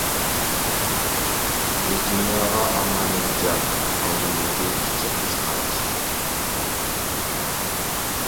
بىز دۇنياغا ئامانەت جان، ئالدىمدىكى كىچىك قۇشقاچ.